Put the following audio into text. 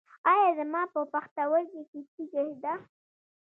ایا زما په پښتورګي کې تیږه ده؟